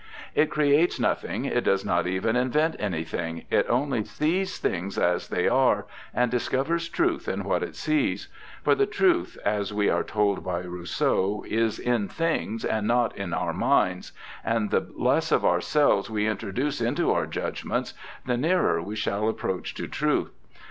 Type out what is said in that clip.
It creates nothing, it does not even invent anything ; it only sees things as they arc and discovers truth in what it sees ; tor the truth, as we are told by Rousseau, is in things and not in our minds, and the less of ourselves we introduce into our judgements the nearer we shall approach to truth.